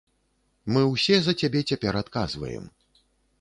Мы ўсе за цябе цяпер адказваем.